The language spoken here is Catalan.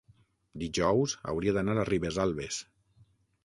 Dijous hauria d'anar a Ribesalbes.